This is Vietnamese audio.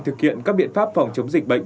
thực hiện các biện pháp phòng chống dịch bệnh